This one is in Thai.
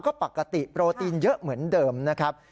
ก็ปกติโปรตีนเยอะเหมือนเดิมนะครับ